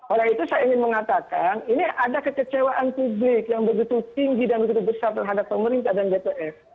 oleh itu saya ingin mengatakan ini ada kekecewaan publik yang begitu tinggi dan begitu besar terhadap pemerintah dan dpr